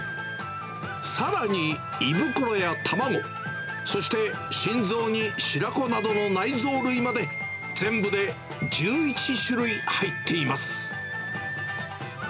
さらに、胃袋や卵、そして心臓に白子などの内臓類まで、全部で１１種類入っています。